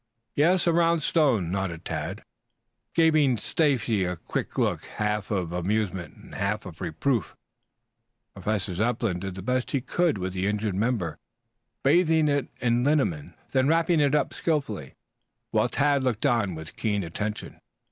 "Yes, a round stone," nodded Tad, giving Stacy a quick look half of amusement, half of reproof. Professor Zepplin did the best he could with the injured member, bathing it in liniment, then bandaging it skilfully, while Tad looked on with keen attention.